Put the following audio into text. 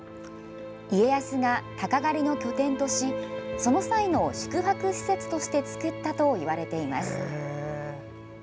家康が鷹狩りの拠点としその際の宿泊施設として造ったといわれています。